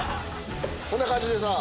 こんな感じでさ。